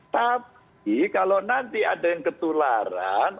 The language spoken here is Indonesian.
tapi kalau nanti ada yang ketularan